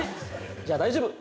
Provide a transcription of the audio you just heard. じゃ、大丈夫！